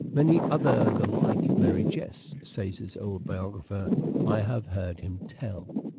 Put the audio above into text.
' Many other the like merry jests,' says his old biographer, ' I have heard him tell.'